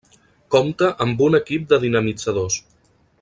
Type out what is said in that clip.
Compta amb un equip de dinamitzadors.